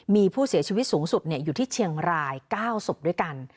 มีผู้เสียชีวิตสูงสุดอยู่ที่เชียงราย๙ศพด้วยกัน